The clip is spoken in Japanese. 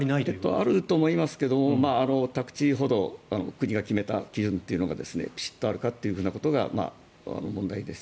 あると思いますけども宅地ほど国が決めた基準というのがピシッとあるかということが問題です。